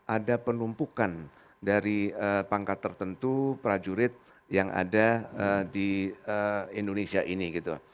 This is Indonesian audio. ada penumpukan dari pangkat tertentu prajurit yang ada di indonesia ini gitu